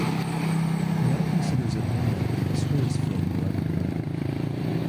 He now considers it unlikely a "Spares" film will ever be made.